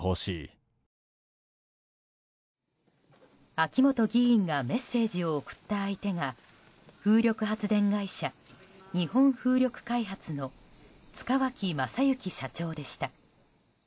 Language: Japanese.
秋本議員がメッセージを送った相手が風力発電会社、日本風力開発の塚脇正幸社長でした。